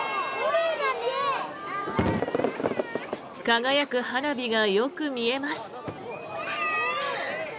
輝く花火がよく見えます。